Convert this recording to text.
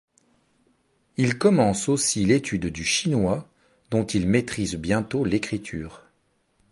Il commence aussi l'étude du chinois dont il maîtrise bientôt l'écriture.